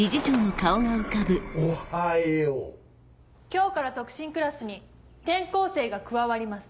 今日から特進クラスに転校生が加わります。